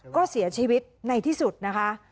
ก็เสียชีวิตในที่สุดนะคะ